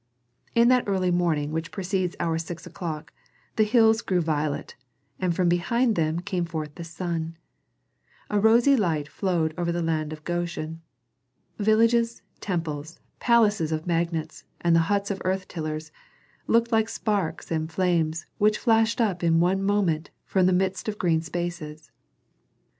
In that early morning which precedes our six o'clock, the hills grew violet, and from behind them came forth the sun. A rosy light flowed over the land of Goshen. Villages, temples, palaces of magnates, and huts of earth tillers looked like sparks and flames which flashed up in one moment from the midst of green spaces.